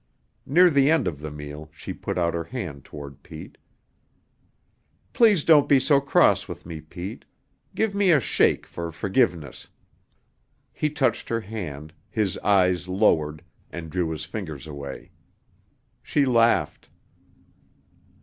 Near the end of the meal she put out her hand toward Pete. "Please don't be so cross with me, Pete! Give me a shake for forgiveness." He touched her hand, his eyes lowered, and drew his fingers away. She laughed.